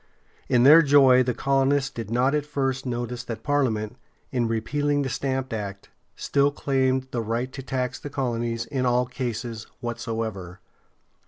In their joy the colonists did not at first notice that Parliament, in repealing the Stamp Act, still claimed the right to tax the colonies "in all cases whatsoever."